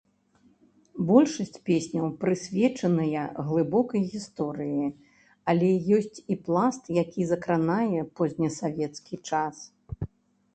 Большасць песняў прысвечаныя глыбокай гісторыі, але ёсць і пласт, які закранае познесавецкі час.